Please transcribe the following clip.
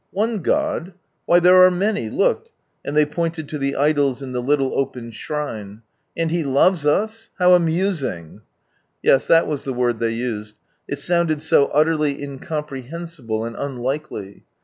" One God? Why [here are many — look!" and they pointed to the idols in the little open shrine. " And He /oj es us ; how amusing !" Yes, that was the word they used. It sounded so utterly incomprehensible and unlikely.